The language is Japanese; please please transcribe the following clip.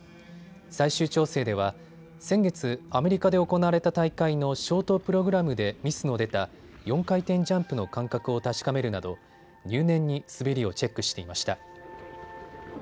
最終調整では先月、アメリカで行われた大会のショートプログラムでミスの出た４回転ジャンプの感覚を確かめるなど入念に滑りをチェックしていました。